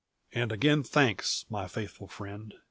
"And again thanks, my faithful friend!